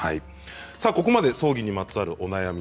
ここまで葬儀にまつわるお悩み